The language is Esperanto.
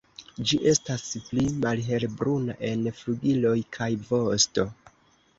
Ĝi estas pli malhelbruna en flugiloj kaj vosto.